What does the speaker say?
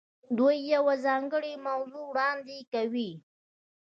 دوی یوه ځانګړې موضوع وړاندې کوي.